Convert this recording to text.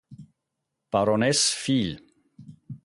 Baroness fiel.